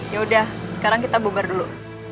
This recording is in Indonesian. yaudah sekarang kita bubar dulu